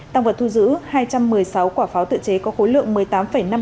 tăng vật thu giữ hai trăm một mươi sáu quả pháo tựa chế có khối lượng